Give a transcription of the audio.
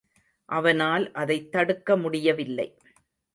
அவனால் அதைத் தடுக்க முடியவில்லை.